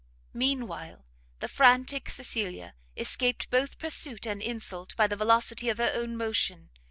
Mean while the frantic Cecilia escaped both pursuit and insult by the velocity of her own motion.